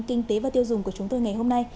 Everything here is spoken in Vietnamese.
kinh tế và tiêu dùng của chúng tôi ngày hôm nay